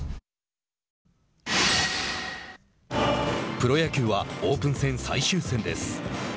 プロ野球はオープン戦最終戦です。